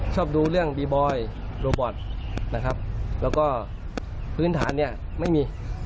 ชอบดูเรื่องบีบอยโรบอทแล้วก็พื้นฐานไม่มี